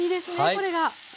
これが。